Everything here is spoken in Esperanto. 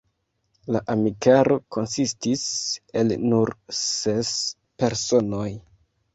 La amikaro konsistis el nur ses personoj.